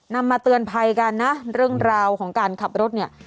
มาเตือนภัยกันนะเรื่องราวของการขับรถเนี่ย